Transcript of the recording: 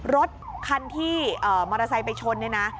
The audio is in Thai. รถคันที่มอเตอร์ไซค์ไปชน